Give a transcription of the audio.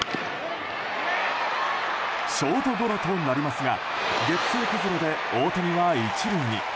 ショートゴロとなりますがゲッツー崩れで大谷は１塁に。